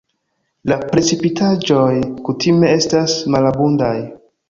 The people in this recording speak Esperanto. La precipitaĵoj kutime estas malabundaj.